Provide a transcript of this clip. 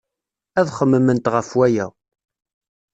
Ad xemmement ɣef waya.